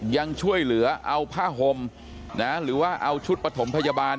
ยังช่วยเหลือเอาผ้าห่มหรือว่าเอาชุดปฐมพยาบาล